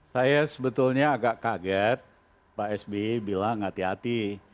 saya sebetulnya agak kaget pak sby bilang hati hati